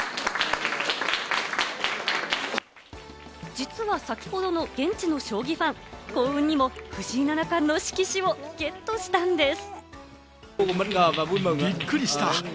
実は先ほどの現地の将棋ファン、幸運にも藤井七冠の色紙をゲットしたんです。